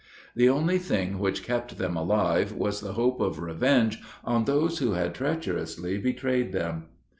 The only thing which kept them alive was the hope of revenge on those who had treacherously betrayed them.